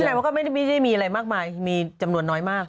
แสดงว่าก็ไม่ได้มีอะไรมากมายมีจำนวนน้อยมาก